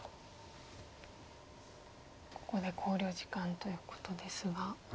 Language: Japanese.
ここで考慮時間ということですが。